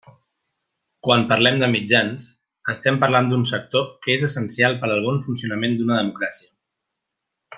Quan parlem de mitjans, estem parlant d'un sector que és essencial per al bon funcionament d'una democràcia.